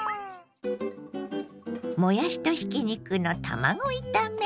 もやしとひき肉の卵炒め。